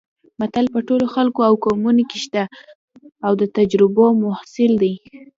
متل په ټولو خلکو او قومونو کې شته او د تجربو محصول دی